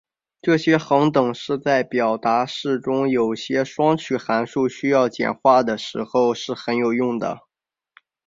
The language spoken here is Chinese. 这些恒等式在表达式中有些双曲函数需要简化的时候是很有用的。